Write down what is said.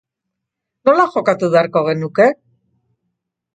Nola jokatu beharko genuke?